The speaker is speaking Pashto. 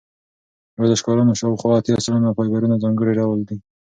د ورزشکارانو شاوخوا اتیا سلنه فایبرونه ځانګړي ډول وي.